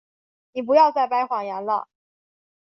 你不要再掰谎言了。